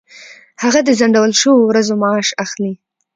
هغه د ځنډول شوو ورځو معاش اخلي.